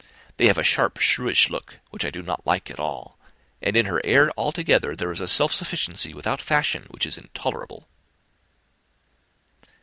They have a sharp, shrewish look, which I do not like at all; and in her air altogether, there is a self sufficiency without fashion, which is intolerable."